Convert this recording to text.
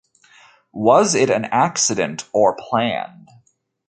Was it an accident or planned?